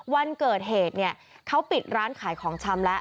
วันเกิดเหตุเนี่ยเขาปิดร้านขายของชำแล้ว